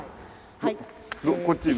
はい。